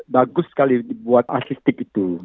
bagus sekali dibuat asistik itu